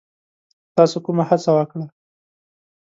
تاسو کومه هڅه وکړه؟